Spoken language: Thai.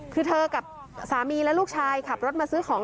คือเธอกับสามีและลูกชายขับรถมาซื้อของ